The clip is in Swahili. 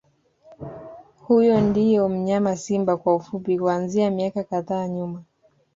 Huyo ndio mnyama Simba kwa ufupi kuanzia miaka kadhaa nyuma